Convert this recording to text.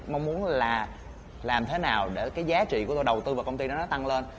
mong muốn là làm thế nào để cái giá trị của tôi đầu tư vào công ty nó tăng lên